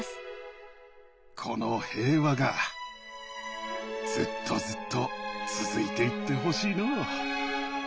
この平和がずっとずっと続いていってほしいのう。